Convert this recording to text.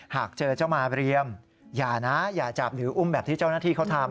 หากเจอเจ้ามาเรียมอย่านะอย่าจับหรืออุ้มแบบที่เจ้าหน้าที่เขาทำ